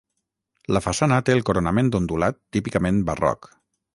La façana té el coronament ondulat típicament barroc.